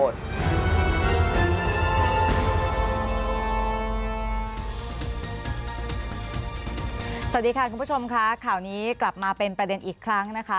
สวัสดีค่ะคุณผู้ชมค่ะข่าวนี้กลับมาเป็นประเด็นอีกครั้งนะคะ